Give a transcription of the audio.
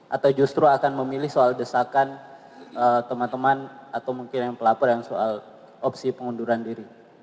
atau justru akan memilih soal desakan teman teman atau mungkin yang pelapor yang soal opsi pengunduran diri